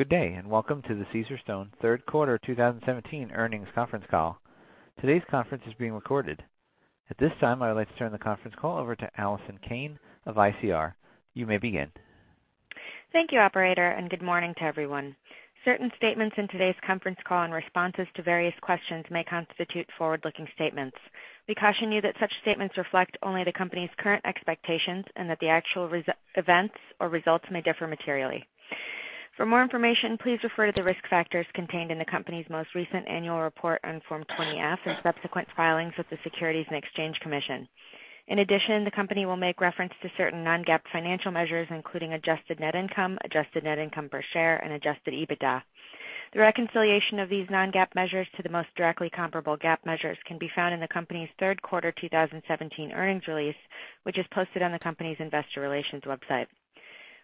Good day, welcome to the Caesarstone third quarter 2017 earnings conference call. Today's conference is being recorded. At this time, I would like to turn the conference call over to Allison Cain of ICR. You may begin. Thank you, operator, good morning to everyone. Certain statements in today's conference call and responses to various questions may constitute forward-looking statements. We caution you that such statements reflect only the company's current expectations and that the actual events or results may differ materially. For more information, please refer to the risk factors contained in the company's most recent annual report on Form 20-F and subsequent filings with the Securities and Exchange Commission. In addition, the company will make reference to certain non-GAAP financial measures, including adjusted net income, adjusted net income per share, and adjusted EBITDA. The reconciliation of these non-GAAP measures to the most directly comparable GAAP measures can be found in the company's third quarter 2017 earnings release, which is posted on the company's investor relations website.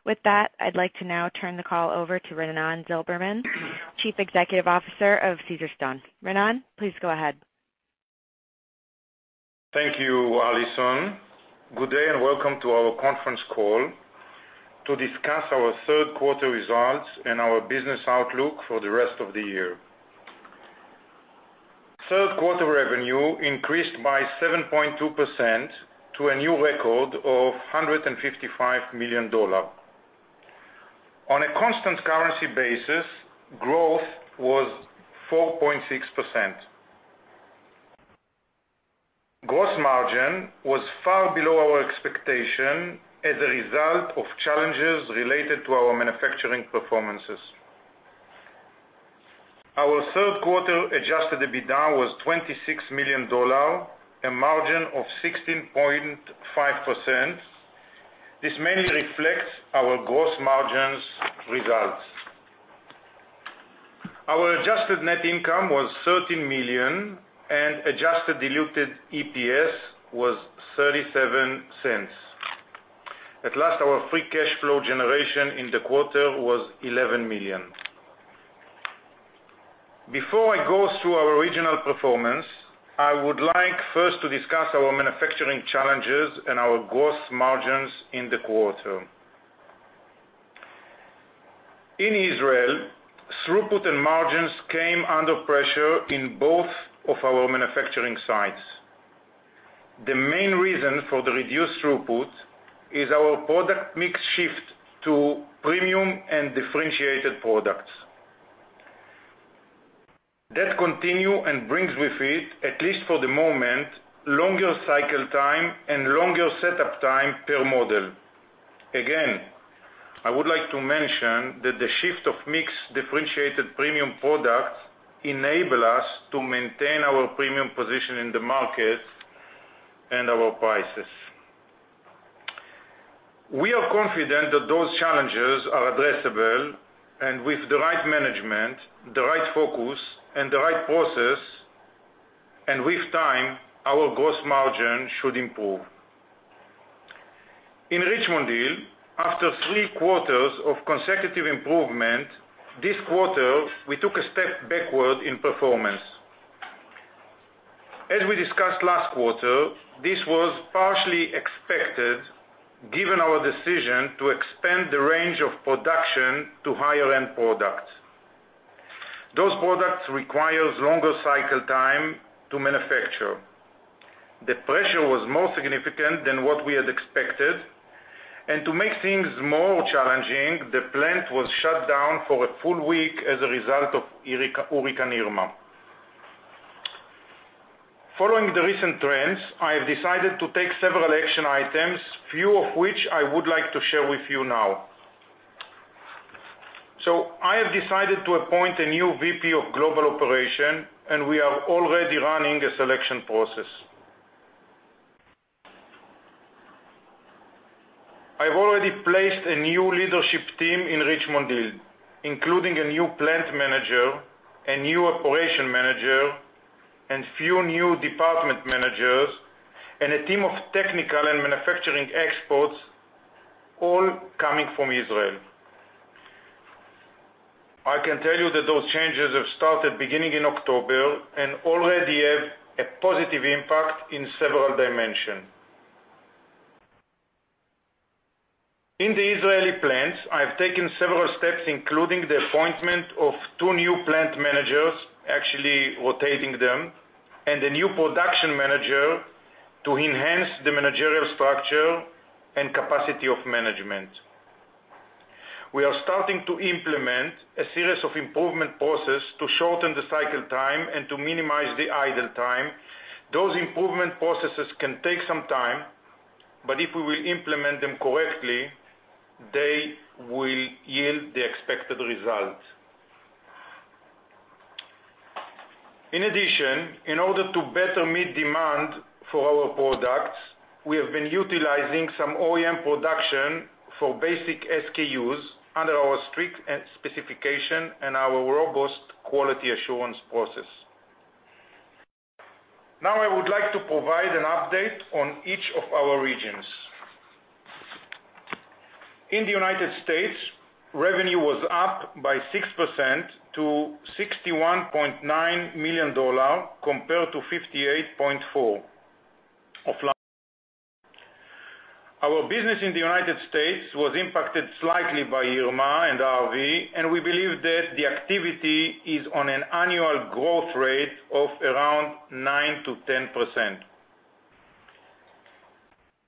With that, I'd like to now turn the call over to Raanan Zilberman, Chief Executive Officer of Caesarstone. Raanan, please go ahead. Thank you, Allison. Good day, welcome to our conference call to discuss our third quarter results and our business outlook for the rest of the year. Third quarter revenue increased by 7.2% to a new record of $155 million. On a constant currency basis, growth was 4.6%. Gross margin was far below our expectation as a result of challenges related to our manufacturing performances. Our third quarter adjusted EBITDA was $26 million, a margin of 16.5%. This mainly reflects our gross margins results. Our adjusted net income was $13 million, and adjusted diluted EPS was $0.37. At last, our free cash flow generation in the quarter was $11 million. Before I go through our regional performance, I would like first to discuss our manufacturing challenges and our gross margins in the quarter. In Israel, throughput and margins came under pressure in both of our manufacturing sites. The main reason for the reduced throughput is our product mix shift to premium and differentiated products. That continue and brings with it, at least for the moment, longer cycle time and longer setup time per model. Again, I would like to mention that the shift of mix differentiated premium products enable us to maintain our premium position in the market and our prices. We are confident that those challenges are addressable, and with the right management, the right focus, and the right process, and with time, our gross margin should improve. In Richmond Hill, after three quarters of consecutive improvement, this quarter, we took a step backward in performance. As we discussed last quarter, this was partially expected given our decision to expand the range of production to higher-end products. Those products requires longer cycle time to manufacture. The pressure was more significant than what we had expected, and to make things more challenging, the plant was shut down for a full week as a result of Hurricane Irma. Following the recent trends, I have decided to take several action items, few of which I would like to share with you now. I have decided to appoint a new VP of Global Operation, and we are already running a selection process. I've already placed a new leadership team in Richmond Hill, including a new plant manager, a new operation manager, and few new department managers, and a team of technical and manufacturing experts, all coming from Israel. I can tell you that those changes have started beginning in October and already have a positive impact in several dimension. In the Israeli plants, I've taken several steps, including the appointment of two new plant managers, actually rotating them, and a new production manager to enhance the managerial structure and capacity of management. We are starting to implement a series of improvement process to shorten the cycle time and to minimize the idle time. Those improvement processes can take some time, but if we will implement them correctly, they will yield the expected result. In addition, in order to better meet demand for our products, we have been utilizing some OEM production for basic SKUs under our strict specification and our robust quality assurance process. I would like to provide an update on each of our regions. In the U.S., revenue was up by 6% to $61.9 million compared to 58.4 million. Our business in the U.S. was impacted slightly by Irma and Harvey, and we believe that the activity is on an annual growth rate of around 9%-10%.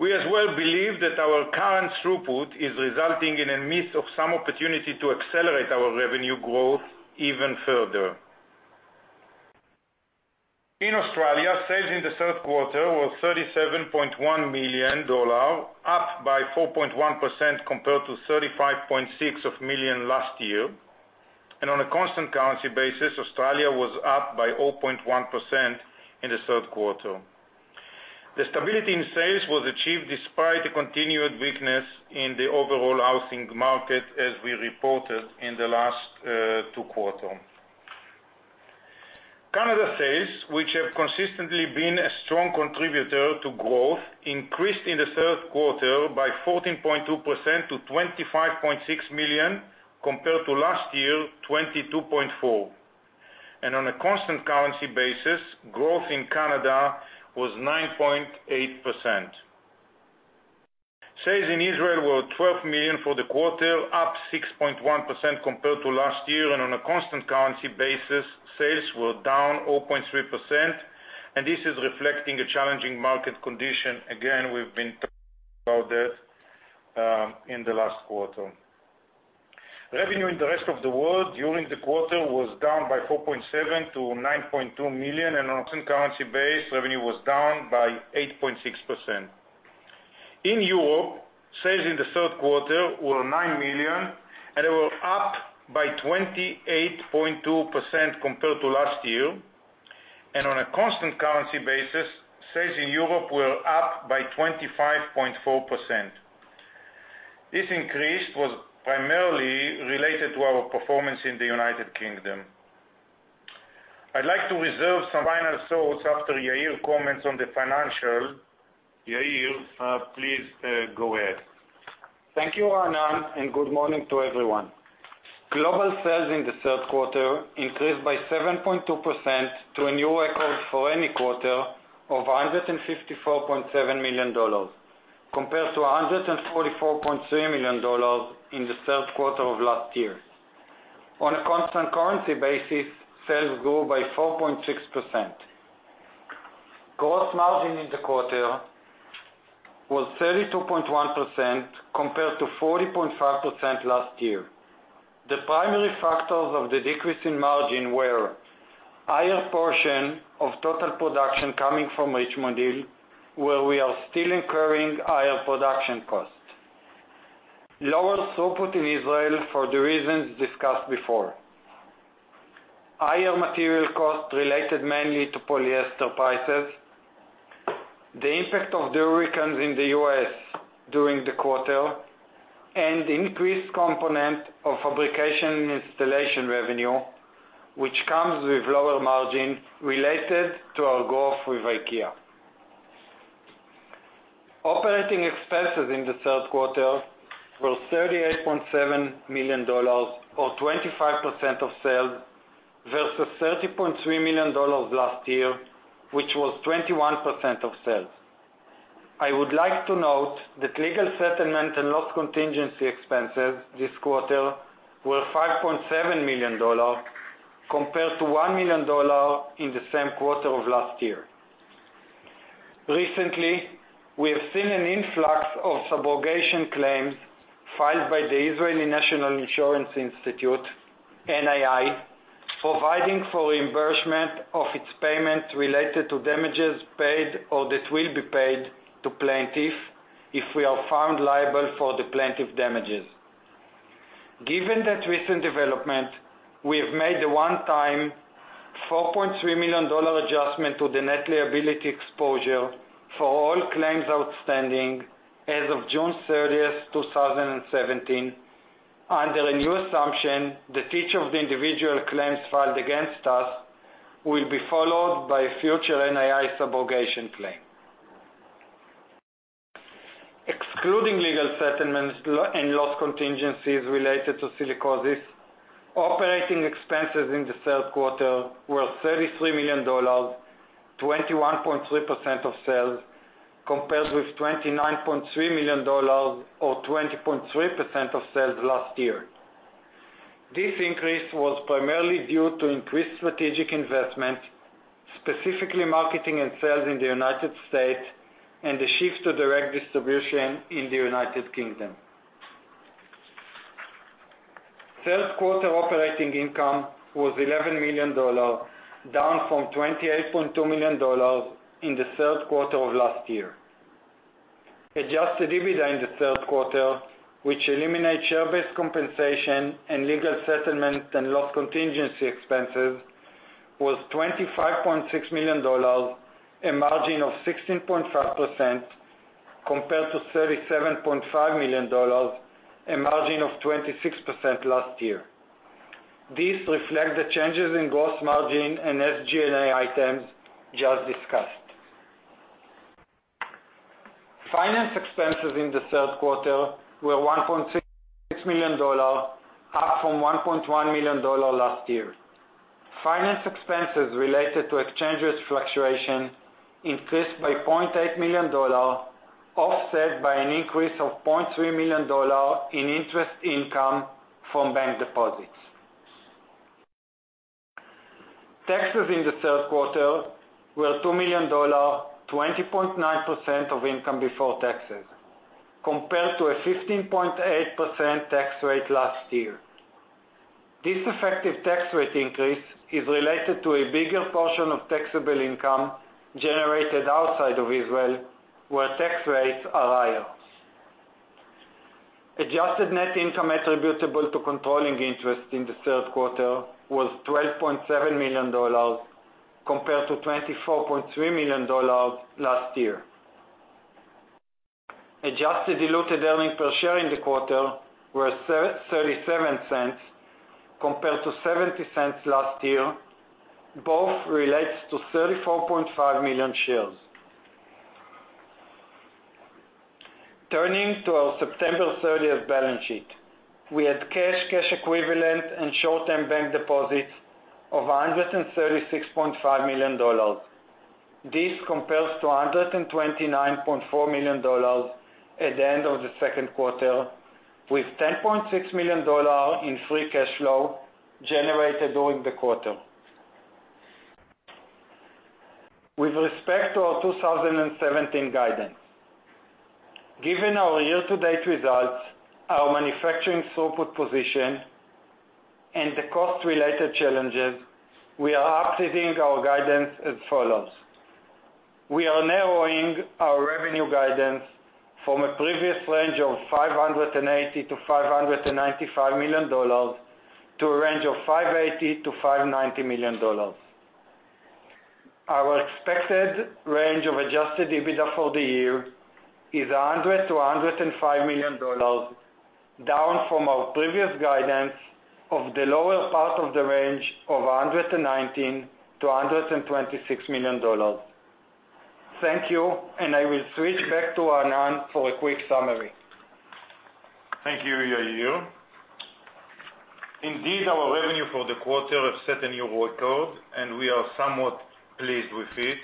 We as well believe that our current throughput is resulting in a miss of some opportunity to accelerate our revenue growth even further. In Australia, sales in the third quarter were $37.1 million, up by 4.1% compared to 35.6 million last year, and on a constant currency basis, Australia was up by 0.1% in the third quarter. The stability in sales was achieved despite the continued weakness in the overall housing market as we reported in the last two quarter. Canada sales, which have consistently been a strong contributor to growth, increased in the third quarter by 14.2% to $25.6 million compared to last year, $22.4 million. On a constant currency basis, growth in Canada was 9.8%. Sales in Israel were $12 million for the quarter, up 6.1% compared to last year. On a constant currency basis, sales were down 0.3%, and this is reflecting a challenging market condition. Again, we've been talking about that in the last quarter. Revenue in the rest of the world during the quarter was down by 4.7% to $9.2 million. On a constant currency base, revenue was down by 8.6%. In Europe, sales in the third quarter were $9 million. They were up by 28.2% compared to last year. On a constant currency basis, sales in Europe were up by 25.4%. This increase was primarily related to our performance in the U.K. I'd like to reserve some final thoughts after Yair comments on the financial. Yair, please go ahead. Thank you, Raanan. Good morning to everyone. Global sales in the third quarter increased by 7.2% to a new record for any quarter of $154.7 million compared to $144.3 million in the third quarter of last year. On a constant currency basis, sales grew by 4.6%. Gross margin in the quarter was 32.1% compared to 40.5% last year. The primary factors of the decrease in margin were higher portion of total production coming from Richmond Hill, where we are still incurring higher production costs, lower throughput in Israel for the reasons discussed before. Higher material costs related mainly to polyester prices, the impact of the Hurricanes in the U.S. during the quarter, and increased component of fabrication and installation revenue, which comes with lower margin related to our growth with IKEA. Operating expenses in the third quarter were $38.7 million or 25% of sales versus $30.3 million last year, which was 21% of sales. I would like to note that legal settlement and loss contingency expenses this quarter were $5.7 million compared to $1 million in the same quarter of last year. Recently, we have seen an influx of subrogation claims filed by the Israeli National Insurance Institute, NII, providing for reimbursement of its payment related to damages paid or that will be paid to plaintiff if we are found liable for the plaintiff damages. Given that recent development, we have made a one-time $4.3 million adjustment to the net liability exposure for all claims outstanding as of June 30th, 2017, under a new assumption that each of the individual claims filed against us will be followed by a future NII subrogation claim. Excluding legal settlements and loss contingencies related to silicosis, operating expenses in the third quarter were $33 million, 21.3% of sales, compared with $29.3 million or 20.3% of sales last year. This increase was primarily due to increased strategic investment, specifically marketing and sales in the United States and the shift to direct distribution in the United Kingdom. Third quarter operating income was $11 million, down from $28.2 million in the third quarter of last year. Adjusted EBITDA in the third quarter, which eliminates share-based compensation and legal settlement and loss contingency expenses, was $25.6 million, a margin of 16.5% compared to $37.5 million, a margin of 26% last year. These reflect the changes in gross margin and SG&A items just discussed. Finance expenses in the third quarter were $1.6 million, up from $1.1 million last year. Finance expenses related to exchange rate fluctuation increased by $0.8 million, offset by an increase of $0.3 million in interest income from bank deposits. Taxes in the third quarter were $2 million, 20.9% of income before taxes, compared to a 15.8% tax rate last year. This effective tax rate increase is related to a bigger portion of taxable income generated outside of Israel, where tax rates are higher. Adjusted net income attributable to controlling interest in the third quarter was $12.7 million, compared to $24.3 million last year. Adjusted diluted earnings per share in the quarter were $0.37, compared to $0.70 last year. Both relates to 34.5 million shares. Turning to our September 30th balance sheet. We had cash equivalents, and short-term bank deposits of $136.5 million. This compares to $129.4 million at the end of the second quarter, with $10.6 million in free cash flow generated during the quarter. With respect to our 2017 guidance, given our year-to-date results, our manufacturing throughput position, and the cost-related challenges, we are updating our guidance as follows. We are narrowing our revenue guidance from a previous range of $580 million-$595 million to a range of $580 million-$590 million. Our expected range of adjusted EBITDA for the year is $100 million-$105 million, down from our previous guidance of the lower part of the range of $119 million-$126 million. Thank you, and I will switch back to Raanan for a quick summary. Thank you, Yair. Indeed, our revenue for the quarter have set a new record, and we are somewhat pleased with it.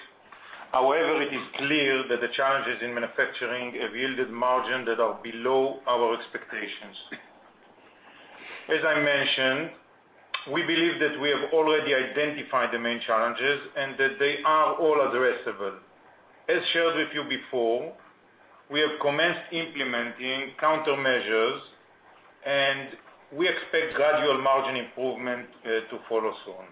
However, it is clear that the challenges in manufacturing have yielded margin that are below our expectations. As I mentioned, we believe that we have already identified the main challenges and that they are all addressable. As shared with you before, we have commenced implementing countermeasures, and we expect gradual margin improvement to follow soon.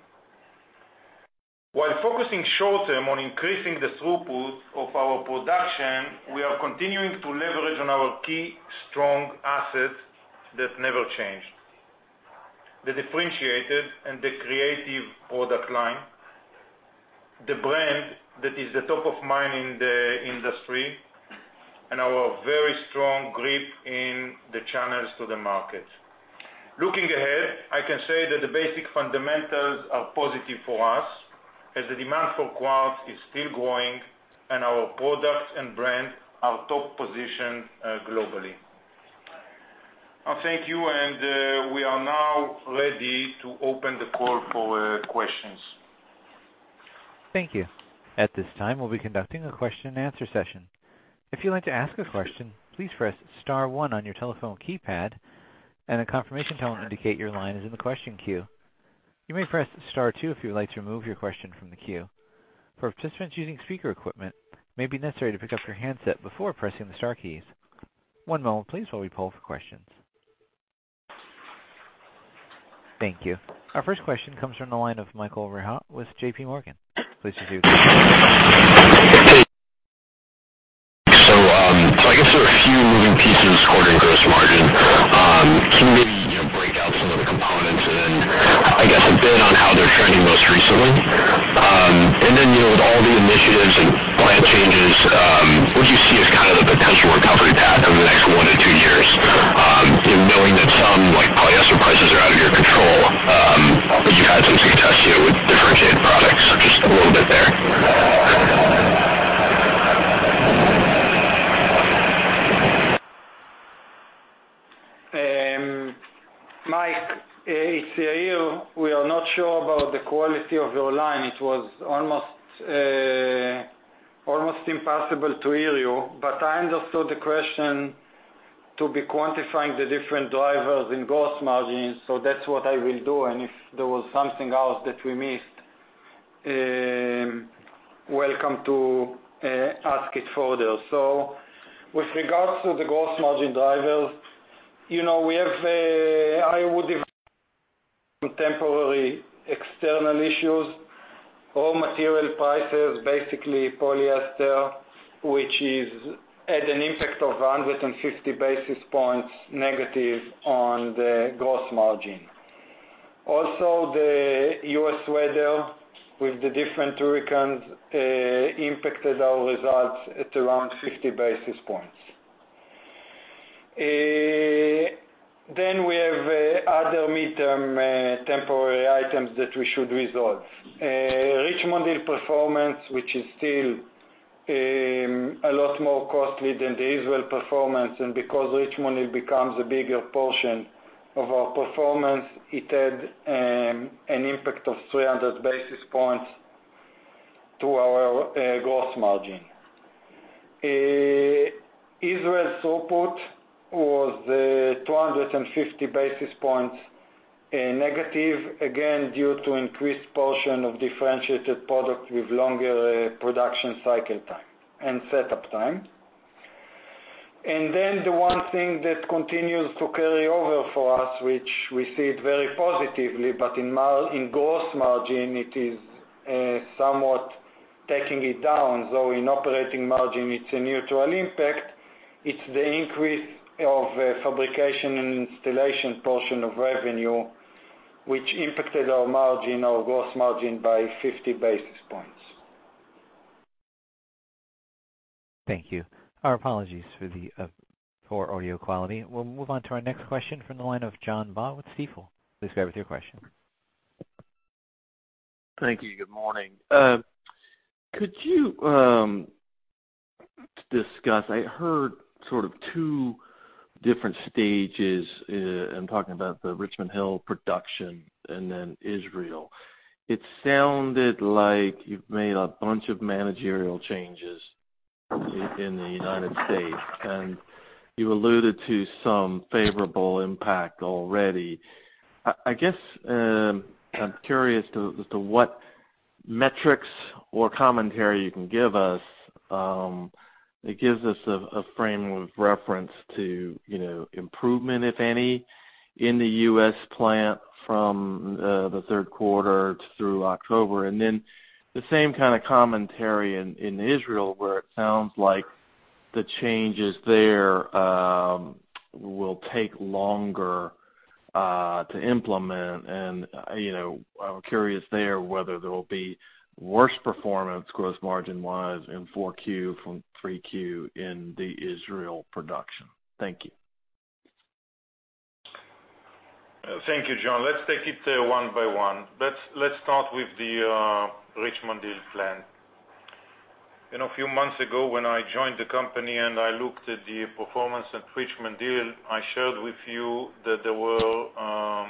While focusing short-term on increasing the throughput of our production, we are continuing to leverage on our key strong assets that never change. The differentiated and the creative product line, the brand that is the top of mind in the industry, and our very strong grip in the channels to the market. Looking ahead, I can say that the basic fundamentals are positive for us, as the demand for quartz is still growing, and our products and brand are top-positioned globally. Thank you. We are now ready to open the call for questions. Thank you. At this time, we'll be conducting a question and answer session. If you'd like to ask a question, please press *1 on your telephone keypad. A confirmation tone will indicate your line is in the question queue. You may press *2 if you would like to remove your question from the queue. For participants using speaker equipment, it may be necessary to pick up your handset before pressing the star keys. One moment please while we poll for questions. Thank you. Our first question comes from the line of Michael Rehaut with JPMorgan. Please proceed with your question. I guess there are a few moving pieces quarter in gross margin. Can you maybe break out some of the components and then, I guess, a bit on how they're trending most recently? Then, with all the initiatives and plant changes, what do you see as the potential recovery path over the next one to two years, knowing that some polyester prices are out of your control, but you had some success, with differentiated products, just a little bit there. Mike, it's Yair. We are not sure about the quality of your line. It was almost impossible to hear you. I understood the question to be quantifying the different drivers in gross margins. That's what I will do. If there was something else that we missed, welcome to ask it further. With regards to the gross margin drivers, I would divide contemporary external issues, raw material prices, basically polyester, which is at an impact of 150 basis points negative on the gross margin. Also, the U.S. weather with the different hurricanes, impacted our results at around 50 basis points. We have other midterm temporary items that we should resolve. Richmond performance, which is still A lot more costly than the Israel performance. Because Richmond Hill becomes a bigger portion of our performance, it had an impact of 300 basis points to our gross margin. Israel's throughput was 250 basis points negative, again, due to increased portion of differentiated product with longer production cycle time and setup time. The one thing that continues to carry over for us, which we see it very positively, but in gross margin, it is somewhat taking it down, though in operating margin it's a neutral impact. It's the increase of fabrication and installation portion of revenue, which impacted our margin, our gross margin, by 50 basis points. Thank you. Our apologies for the poor audio quality. We'll move on to our next question from the line of John Baugh with Stifel. Please go ahead with your question. Thank you. Good morning. Could you discuss, I heard sort of 2 different stages, I'm talking about the Richmond Hill production and then Israel. It sounded like you've made a bunch of managerial changes in the U.S., and you alluded to some favorable impact already. I guess, I'm curious as to what metrics or commentary you can give us that gives us a frame of reference to improvement, if any, in the U.S. plant from the third quarter through October. The same kind of commentary in Israel, where it sounds like the changes there will take longer to implement. I'm curious there whether there will be worse performance gross margin-wise in four Q from three Q in the Israel production. Thank you. Thank you, John. Let's take it one by one. Let's start with the Richmond Hill plant. A few months ago, when I joined the company and I looked at the performance at Richmond Hill, I shared with you that there were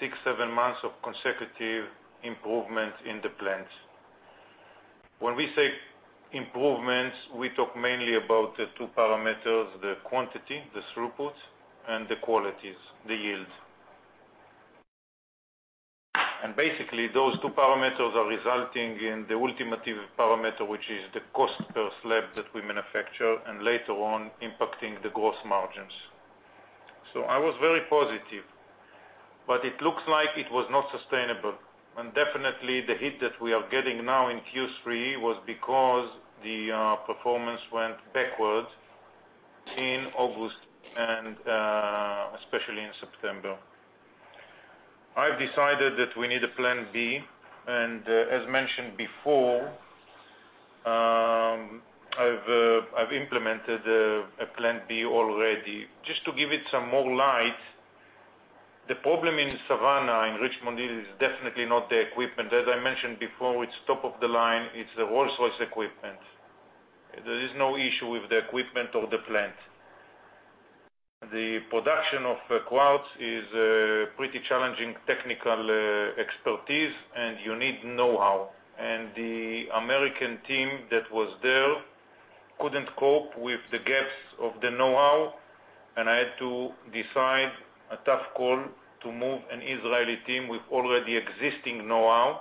six, seven months of consecutive improvement in the plant. When we say improvements, we talk mainly about the two parameters, the quantity, the throughput, and the qualities, the yield. Basically, those two parameters are resulting in the ultimate parameter, which is the cost per slab that we manufacture, and later on impacting the gross margins. I was very positive. It looks like it was not sustainable. Definitely the hit that we are getting now in Q3 was because the performance went backwards in August and especially in September. I've decided that we need a plan B. As mentioned before, I've implemented a plan B already. Just to give it some more light, the problem in Savannah, in Richmond Hill, is definitely not the equipment. As I mentioned before, it's top of the line. It's a Rolls-Royce equipment. There is no issue with the equipment or the plant. The production of the quartz is pretty challenging technical expertise, and you need know-how. The American team that was there couldn't cope with the gaps of the know-how, and I had to decide a tough call to move an Israeli team with already existing know-how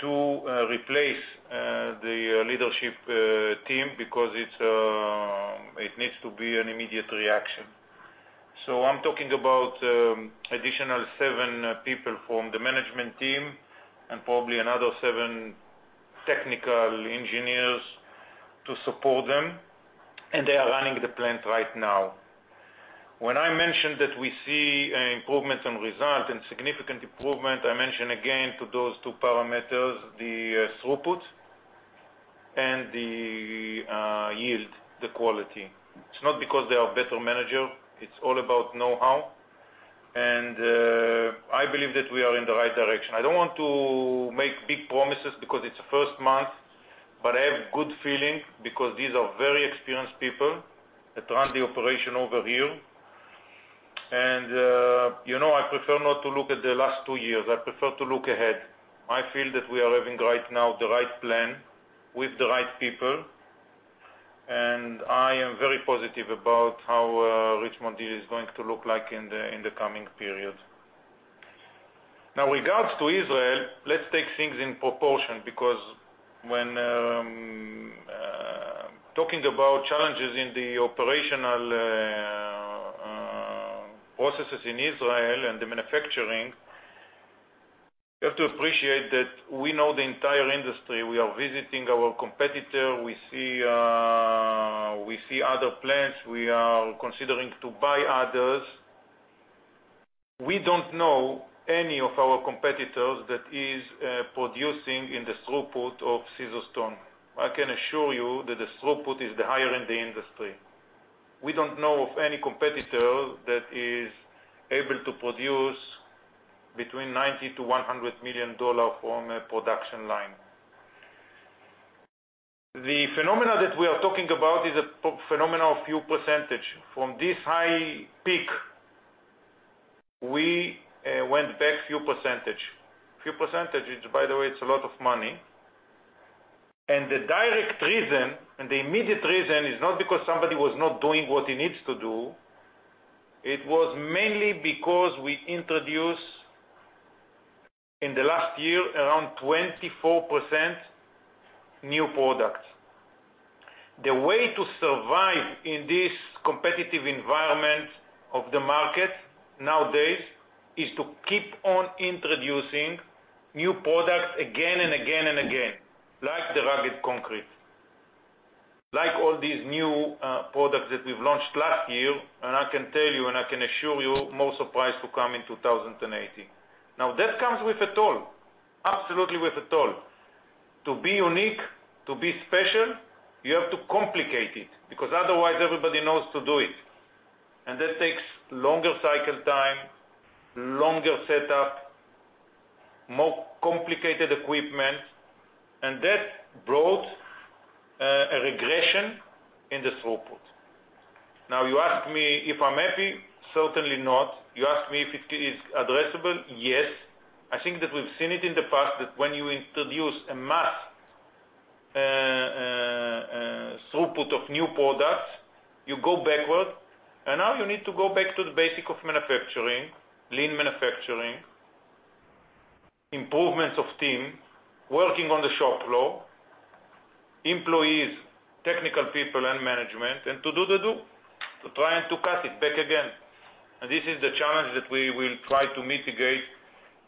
to replace the leadership team, because it needs to be an immediate reaction. I'm talking about additional seven people from the management team and probably another seven technical engineers to support them, and they are running the plant right now. When I mentioned that we see improvements in results and significant improvement, I mentioned again to those two parameters, the throughput and the yield, the quality. It's not because they are better manager. It's all about know-how. I believe that we are in the right direction. I don't want to make big promises because it's the first month, but I have good feeling because these are very experienced people that run the operation over here. I prefer not to look at the last two years. I prefer to look ahead. I feel that we are having right now the right plan with the right people, and I am very positive about how Richmond Hill is going to look like in the coming period. Regards to Israel, let's take things in proportion because when talking about challenges in the operational processes in Israel and the manufacturing, you have to appreciate that we know the entire industry. We are visiting our competitor. We see other plants. We are considering to buy others. We don't know any of our competitors that is producing in the throughput of Caesarstone. I can assure you that the throughput is the higher end in the industry. We don't know of any competitor that is able to produce between $90 million and $100 million from a production line. The phenomena that we are talking about is a phenomena of few percent. From this high peak, we went back few percent. Few percent, by the way, it's a lot of money. The direct reason, and the immediate reason is not because somebody was not doing what he needs to do. It was mainly because we introduced, in the last year, around 24% new products. The way to survive in this competitive environment of the market nowadays, is to keep on introducing new products again and again and again, like the Rugged Concrete. Like all these new products that we've launched last year, and I can tell you, and I can assure you, more surprise to come in 2018. That comes with a toll, absolutely with a toll. To be unique, to be special, you have to complicate it, because otherwise everybody knows to do it. That takes longer cycle time, longer setup, more complicated equipment, and that brought a regression in the throughput. You ask me if I'm happy, certainly not. You ask me if it is addressable, yes. I think that we've seen it in the past, that when you introduce a mass throughput of new products, you go backward, and now you need to go back to the basic of manufacturing, lean manufacturing, improvements of team, working on the shop floor. Employees, technical people and management, and to do the do, to try and to cut it back again. This is the challenge that we will try to mitigate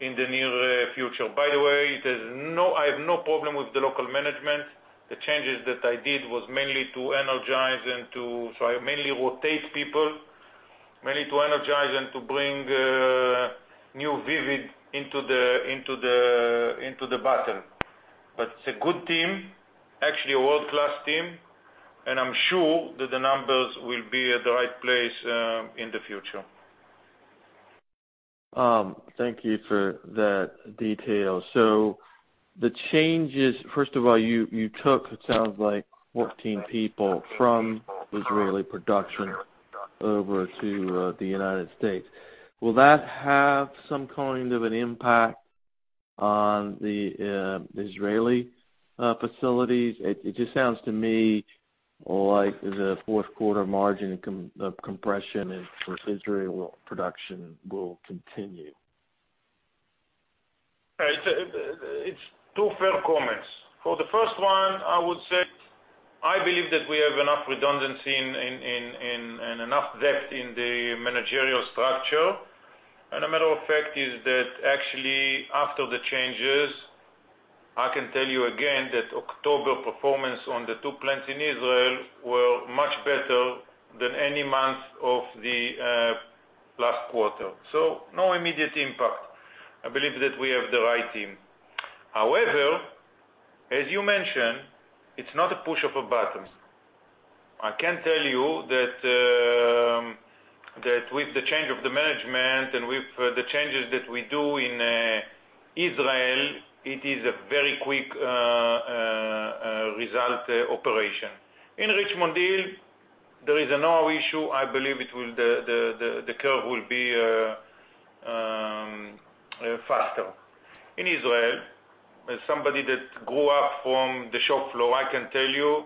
in the near future. By the way, I have no problem with the local management. I mainly rotate people, mainly to energize and to bring new vivid into the battle. It's a good team, actually a world-class team, and I'm sure that the numbers will be at the right place in the future. Thank you for that detail. The changes, first of all, you took, it sounds like 14 people from Israeli production over to the U.S. Will that have some kind of an impact on the Israeli facilities? It just sounds to me like the fourth quarter margin of compression for Israeli production will continue. It's two fair comments. For the first one, I would say, I believe that we have enough redundancy and enough depth in the managerial structure. A matter of fact is that actually after the changes, I can tell you again that October performance on the two plants in Israel were much better than any month of the last quarter. No immediate impact. I believe that we have the right team. However, as you mentioned, it's not a push of a button. I can tell you that with the change of the management and with the changes that we do in Israel, it is a very quick result operation. In Richmond Hill, there is no issue. I believe the curve will be faster. In Israel, as somebody that grew up from the shop floor, I can tell you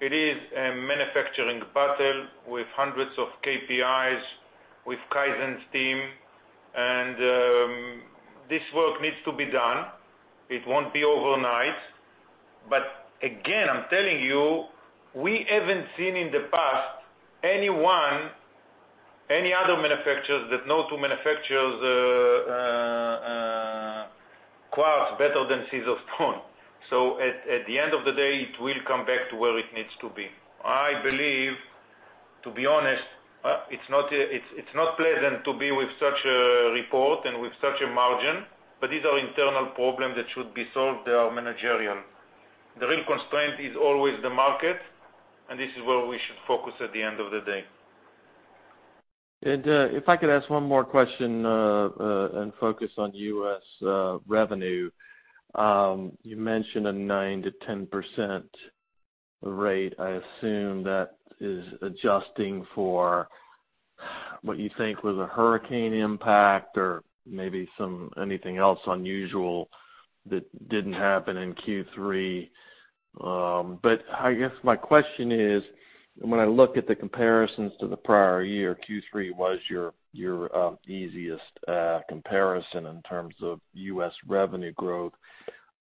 it is a manufacturing battle with hundreds of KPIs, with Kaizen team, this work needs to be done. It won't be overnight. Again, I'm telling you, we haven't seen in the past anyone, any other manufacturers that know to manufacture quartz better than Caesarstone. At the end of the day, it will come back to where it needs to be. I believe, to be honest, it's not pleasant to be with such a report and with such a margin, these are internal problems that should be solved. They are managerial. The real constraint is always the market, this is where we should focus at the end of the day. If I could ask one more question, and focus on U.S. revenue. You mentioned a 9%-10% rate. I assume that is adjusting for what you think was a hurricane impact or maybe anything else unusual that didn't happen in Q3. I guess my question is, when I look at the comparisons to the prior year, Q3 was your easiest comparison in terms of U.S. revenue growth.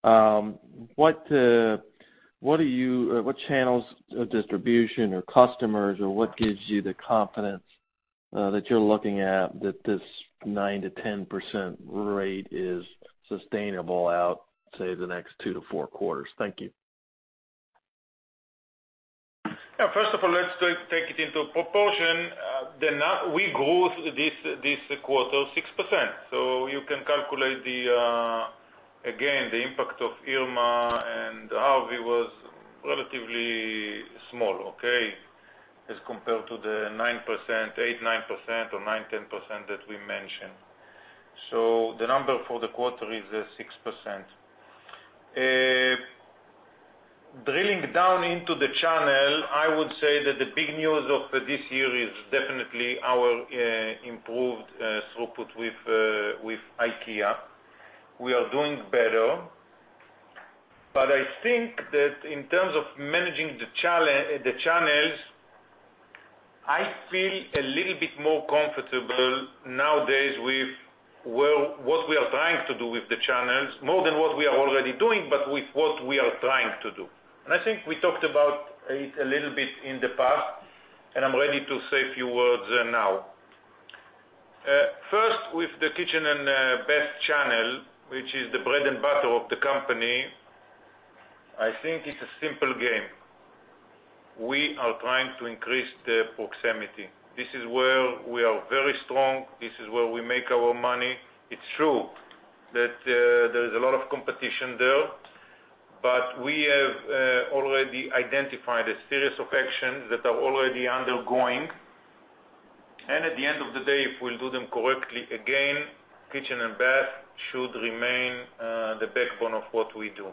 What channels of distribution or customers, or what gives you the confidence that you're looking at that this 9%-10% rate is sustainable out, say, the next 2-4 quarters? Thank you. Yeah. First of all, let's take it into proportion. We grew this quarter 6%. You can calculate, again, the impact of Irma-Harvey was relatively small, okay? As compared to the 8%-9%, or 9%-10% that we mentioned. The number for the quarter is 6%. Drilling down into the channel, I would say that the big news of this year is definitely our improved throughput with IKEA. We are doing better. I think that in terms of managing the channels, I feel a little bit more comfortable nowadays with what we are trying to do with the channels, more than what we are already doing, but with what we are trying to do. I think we talked about it a little bit in the past, and I'm ready to say a few words now. First, with the kitchen and bath channel, which is the bread and butter of the company, I think it's a simple game. We are trying to increase the proximity. This is where we are very strong. This is where we make our money. It's true that there's a lot of competition there, but we have already identified a series of actions that are already undergoing. At the end of the day, if we'll do them correctly, again, kitchen and bath should remain the backbone of what we do.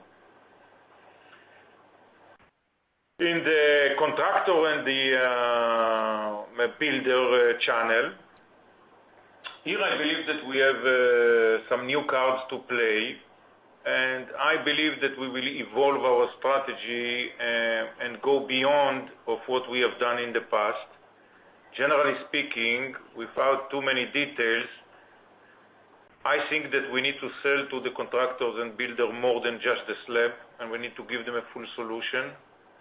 In the contractor and the builder channel, here, I believe that we have some new cards to play, and I believe that we will evolve our strategy and go beyond of what we have done in the past. Generally speaking, without too many details, I think that we need to sell to the contractors and builder more than just the slab, and we need to give them a full solution,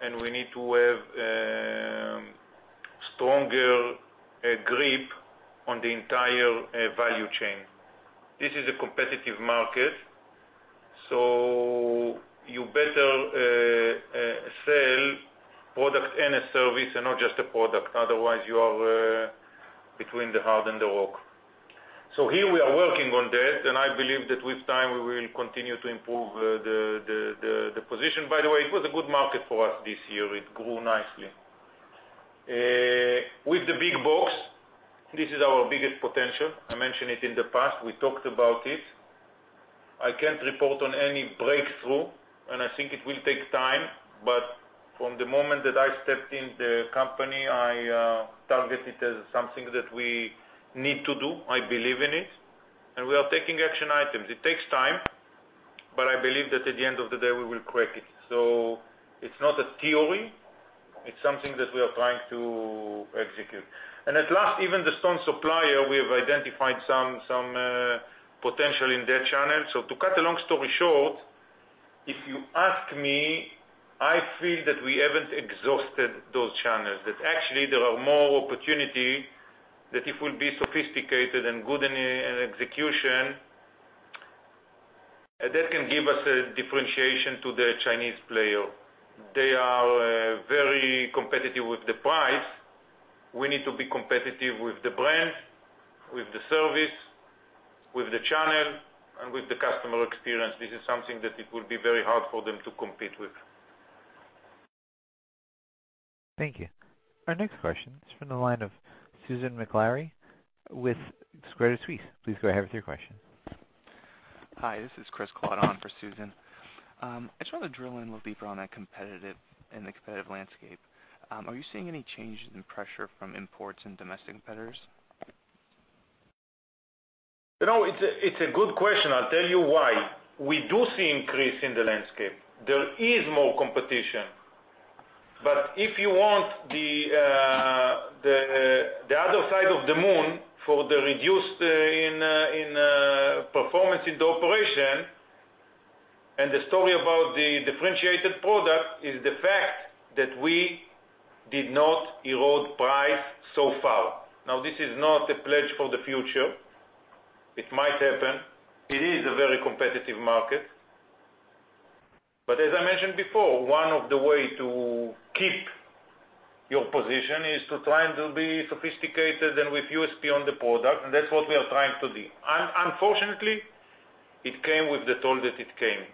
and we need to have a stronger grip on the entire value chain. This is a competitive market, you better sell product and a service and not just a product. Otherwise, you are between the hard and the rock. Here we are working on that, and I believe that with time, we will continue to improve the position. By the way, it was a good market for us this year. It grew nicely. With the big box, this is our biggest potential. I mentioned it in the past. We talked about it. I can't report on any breakthrough. I think it will take time, but from the moment that I stepped in the company, I target it as something that we need to do. I believe in it, and we are taking action items. It takes time, but I believe that at the end of the day, we will crack it. It's not a theory. It's something that we are trying to execute. At last, even the stone supplier, we have identified some potential in their channel. To cut a long story short, if you ask me, I feel that we haven't exhausted those channels, that actually there are more opportunity that if we'll be sophisticated and good in execution, that can give us a differentiation to the Chinese player. They are very competitive with the price. We need to be competitive with the brand, with the service, with the channel, and with the customer experience. This is something that it will be very hard for them to compete with. Thank you. Our next question is from the line of Susan Maklari with Credit Suisse. Please go ahead with your question. Hi, this is Chris Claudon for Susan. I just want to drill in a little deeper on that competitive and the competitive landscape. Are you seeing any changes in pressure from imports and domestic competitors? It's a good question. I'll tell you why. We do see increase in the landscape. There is more competition. If you want the other side of the moon for the reduced in performance in the operation, the story about the differentiated product is the fact that we did not erode price so far. This is not a pledge for the future. It might happen. It is a very competitive market. As I mentioned before, one of the way to keep your position is to try and be sophisticated and with USP on the product, that's what we are trying to do. Unfortunately, it came with the toll that it came.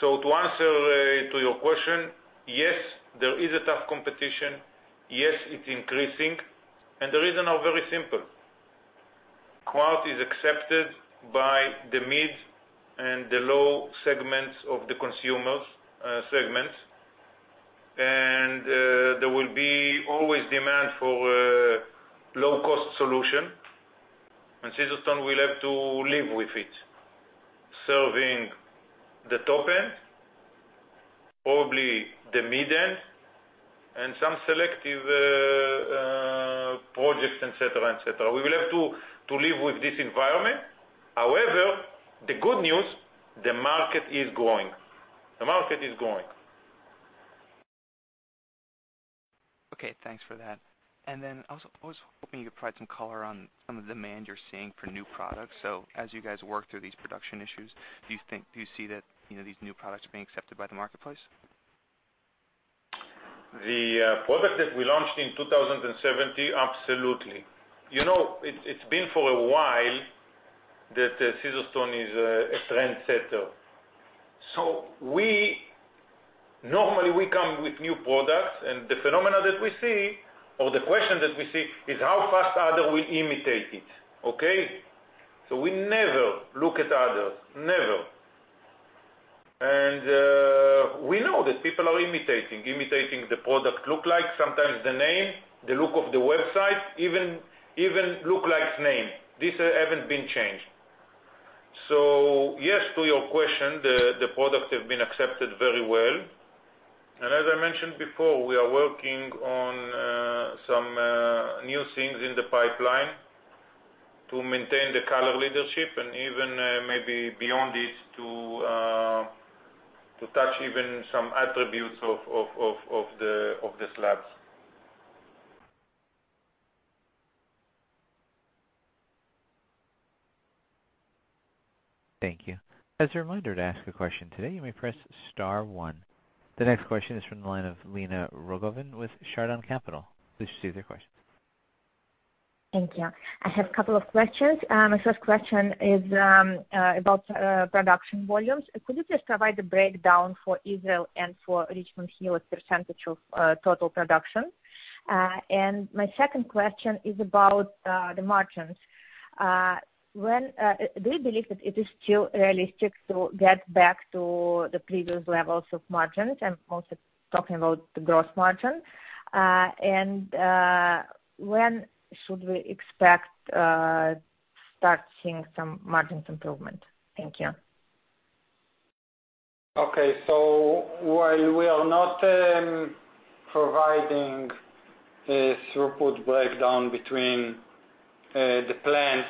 To answer to your question, yes, there is a tough competition. Yes, it's increasing, the reason are very simple. Quartz is accepted by the mid and the low segments of the consumer segments. There will be always demand for low-cost solution, Caesarstone will have to live with it, serving the top end, probably the mid-end, some selective projects, et cetera. We will have to live with this environment. However, the good news, the market is growing. Okay, thanks for that. I was hoping you could provide some color on some of the demand you're seeing for new products. As you guys work through these production issues, do you see that these new products are being accepted by the marketplace? The product that we launched in 2017, absolutely. It's been for a while that Caesarstone is a trendsetter. Normally we come with new products, the phenomena that we see, or the question that we see, is how fast others will imitate it. Okay? We never look at others, never. We know that people are imitating the product look like, sometimes the name, the look of the website, even look like name. These haven't been changed. Yes, to your question, the product has been accepted very well. As I mentioned before, we are working on some new things in the pipeline to maintain the color leadership, even maybe beyond this, to touch even some attributes of the slabs. Thank you. As a reminder, to ask a question today, you may press star one. The next question is from the line of Lena Rogovin with Chardan Capital. Please state your question. Thank you. I have a couple of questions. My first question is about production volumes. Could you just provide the breakdown for Israel and for Richmond Hill as a percentage of total production? My second question is about the margins. Do you believe that it is still realistic to get back to the previous levels of margins? I am also talking about the gross margin. When should we expect start seeing some margins improvement? Thank you. Okay. While we are not providing a throughput breakdown between the plants,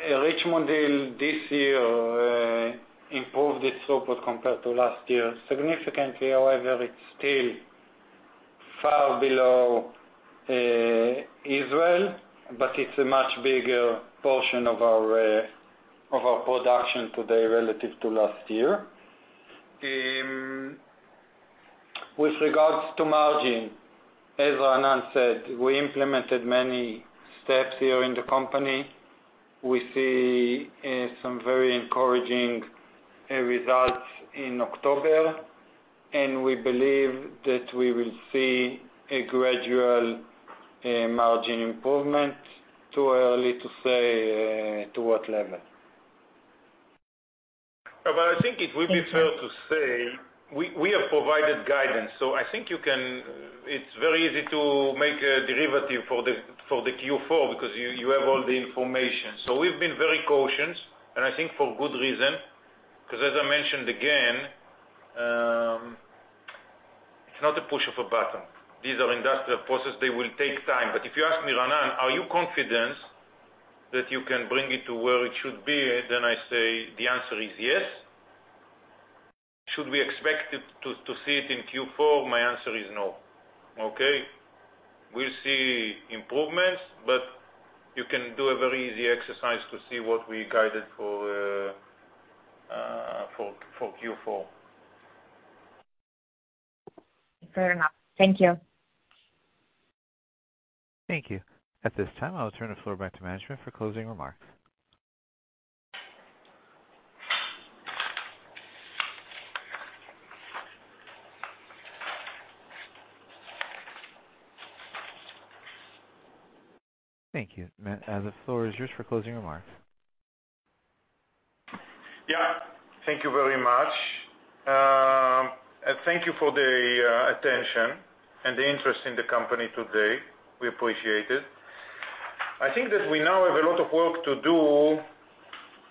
Richmond Hill this year improved its throughput compared to last year significantly. However, it is still far below Israel, but it is a much bigger portion of our production today relative to last year. With regards to margin, as Raanan said, we implemented many steps here in the company. We see some very encouraging results in October, we believe that we will see a gradual margin improvement. Too early to say to what level. I think it would be fair to say, we have provided guidance. I think it is very easy to make a derivative for the Q4 because you have all the information. We have been very cautious, I think for good reason, because as I mentioned again, it is not a push of a button. These are industrial processes, they will take time. If you ask me, Raanan, are you confident that you can bring it to where it should be? I say the answer is yes. Should we expect to see it in Q4? My answer is no. Okay? We will see improvements, but you can do a very easy exercise to see what we guided for Q4. Fair enough. Thank you. Thank you. At this time, I'll turn the floor back to management for closing remarks. Thank you. The floor is yours for closing remarks. Yeah. Thank you very much. Thank you for the attention and the interest in the company today. We appreciate it. I think that we now have a lot of work to do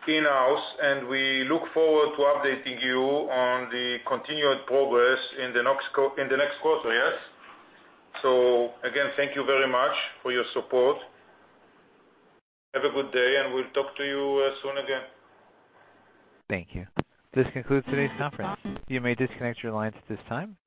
in-house, and we look forward to updating you on the continued progress in the next quarter, yes? Again, thank you very much for your support. Have a good day, and we'll talk to you soon again. Thank you. This concludes today's conference. You may disconnect your lines at this time.